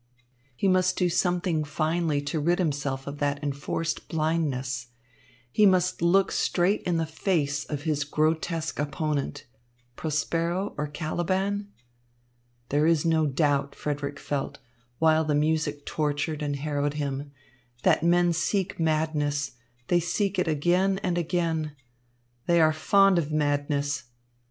He must do something finally to rid himself of that enforced blindness. He must look straight in the face of his grotesque opponent Prospero or Caliban? "There is no doubt," Frederick felt, while the music tortured and harrowed him, "that men seek madness, they seek it again and again. They are fond of madness.